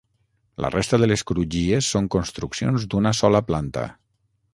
La resta de les crugies són construccions d'una sola planta.